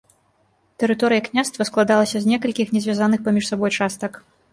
Тэрыторыя княства складалася з некалькіх не звязаных паміж сабой частак.